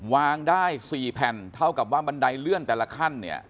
วางได้๔แผ่นเท่ากับว่าบันไดเลื่อนแต่ละขั้นเนี่ย